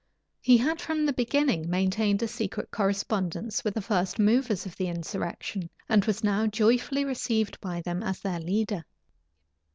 He had from the beginning maintained a secret correspondence with the first movers of the insurrection, and was now joyfully received by them as their leader.